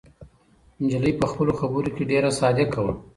نجلۍ په خپلو خبرو کې ډېره صادقه وه.